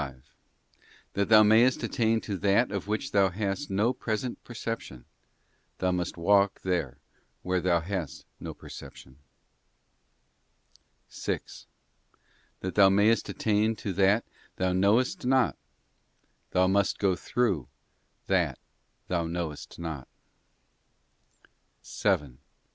That thou mayest attain to that of which thou hast no present perception, thou must walk there where thou hast no perception. 6. That thou mayest attain to that thou knowest not, thou must go through that thou knowest not. _ THE THIRST AFTER GOD. "51 7.